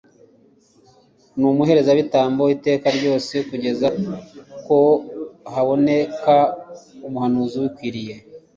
n'umuherezabitambo iteka ryose kugeza ko haboneka umuhanuzi ubikwiriye